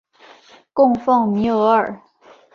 供奉弥额尔。